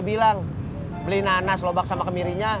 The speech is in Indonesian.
bilang beli nanas lobak sama kemirinya